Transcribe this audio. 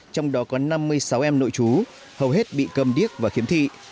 trong đó có năm mươi sáu em nội chú hầu hết bị cầm điếc và khiếm thị